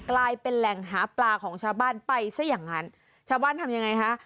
กลายเป็นแหล่งหาปลาของชาวบ้านไปซะอย่างนั้นชาวบ้านทำยังไงฮะ